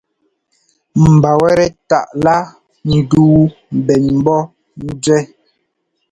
Mba wɛ́tɛ́ taʼ lá ndúu mbɛn mbɔ́ nzúɛ́.